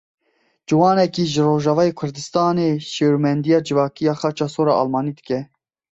Ciwanekî ji Rojavayê Kurdistanê şêwirmendiya civakî ya Xaça Sor a Almanî dike.